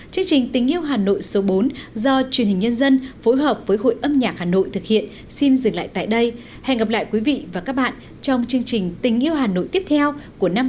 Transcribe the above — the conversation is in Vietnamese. chương trình tình yêu hà nội số bốn do truyền hình nhân dân phối hợp với hội âm nhạc hà nội thực hiện xin dừng lại tại đây hẹn gặp lại quý vị và các bạn trong chương trình tình yêu hà nội tiếp theo của năm hai nghìn một mươi chín